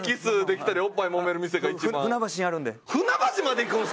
船橋にあるんで。